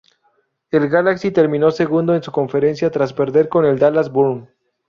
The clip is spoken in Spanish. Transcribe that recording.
El Galaxy terminó segundo en su conferencia tras perder con el Dallas Burn.